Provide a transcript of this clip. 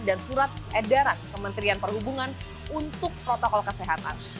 dan surat edaran kementerian perhubungan untuk protokol kesehatan